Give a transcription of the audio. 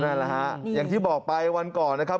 นั่นแหละฮะอย่างที่บอกไปวันก่อนนะครับ